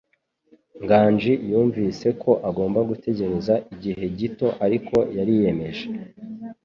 Nganji yumvise ko agomba gutegereza igihe gito, ariko yariyemeje.